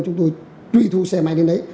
chúng tôi truy thu xe máy lên đấy